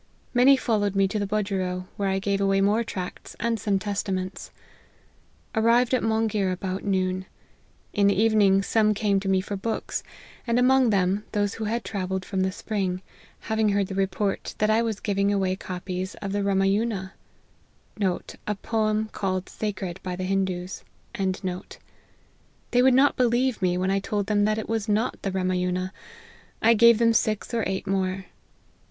Many followed me to the budgerow, where I gave away more tracts and some Testaments. Arrived at Monghir about noon. In the evening some came to me for books ; and, among them, thcrse who had travelled from the spring, having heard the report that I was giving away copies of the Ramayuna.t They would not believe me when I told them that it was not the Ramayuna ; I gave them six or eight more.